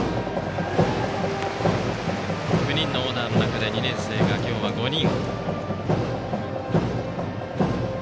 ９人のオーダーの中で２年生が今日は５人。